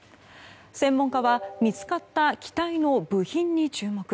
専門家は見つかった機体の部品に注目。